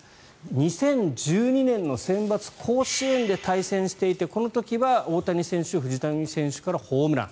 ２０１２年のセンバツ甲子園で対戦していてこの時は大谷選手藤浪選手からホームラン。